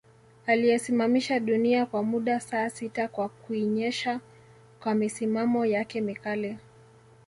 Aliyesimamisha dunia kwa muda saa sita kwa kuienyesha kwa misimamo yake mikali